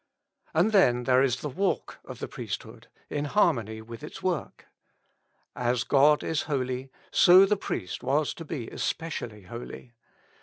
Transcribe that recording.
And then there is the lualk of the priesthood, in har mony with its work. As God is holy, so the priest was to be especially holy.